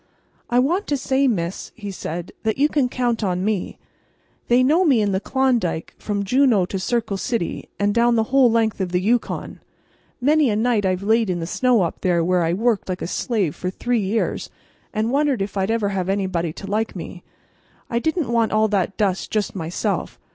"I want to say, Miss," he said, "that you can count on me. They know me in the Klondike from Juneau to Circle City and down the whole length of the Yukon. Many a night I've laid in the snow up there where I worked like a slave for three years, and wondered if I'd ever have anybody to like me. I didn't want all that dust just myself.